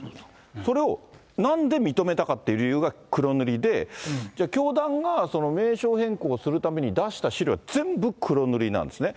それをなんで認めたかっていう理由が黒塗りで、教団が名称変更するために出した資料、全部黒塗りなんですね。